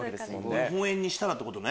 日本円にしたらってことね。